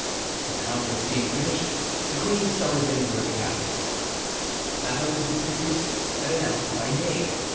The conference being finished, the queen summoned him to her cabinet. Athos was introduced and announced by name.